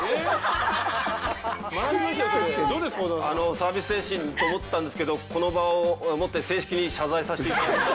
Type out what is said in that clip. サービス精神と思ったんですけどこの場をもって正式に謝罪させていただきます。